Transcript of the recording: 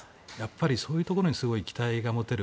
そういうところにすごい期待が持てる